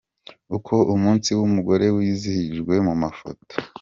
Uko umunsi w’Umugore wizihijwe mu mafoto.